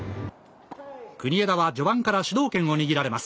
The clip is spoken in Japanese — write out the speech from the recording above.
国枝は序盤から主導権を握られます。